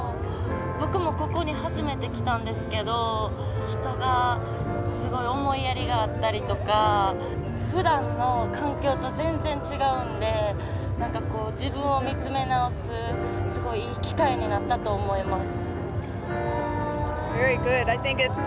僕もここに初めて来たんですけど人がすごい思いやりがあったりとかふだんの環境と全然違うんで自分を見つめ直すすごいいい機会になったと思います。